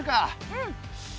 うん！